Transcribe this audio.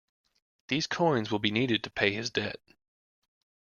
These coins will be needed to pay his debt.